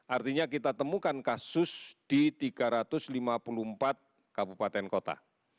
artinya kita temukan kasus di tiga ratus lima puluh empat kabupaten kota